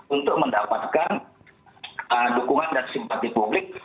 untuk mendapatkan dukungan dan simpati publik